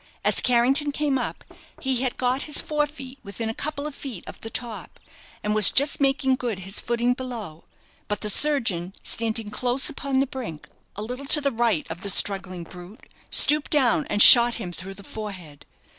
As Carrington came up, he had got his fore feet within a couple of feet of the top, and was just making good his footing below; but the surgeon, standing close upon the brink, a little to the right of the struggling brute, stooped down and shot him through the forehead.